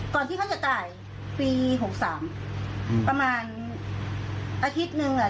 ที่เขาจะจ่ายปีหกสามอืมประมาณอาทิตย์หนึ่งอ่ะ